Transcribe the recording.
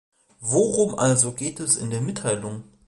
Worum also geht es in der Mitteilung?